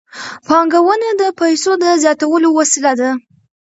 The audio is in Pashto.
پانګونه د پیسو د زیاتولو وسیله ده.